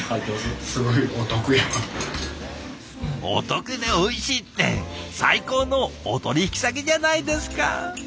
お得でおいしいって最高のお取引先じゃないですか！